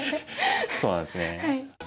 そうなんですね。